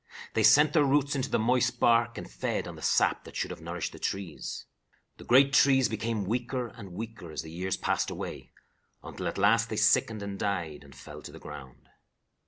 They sent their roots into the moist bark and fed on the sap that should have nourished the trees. "The great trees became weaker and weaker as the years passed away, until at last they sickened and died, and fell to the ground.